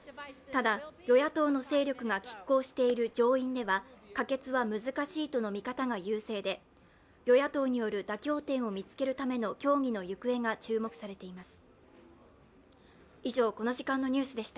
ただ与野党の勢力がきっ抗している上院では可決は難しいという見方が優勢で、与野党による妥協点を見つけるための協議の行方が注目されています。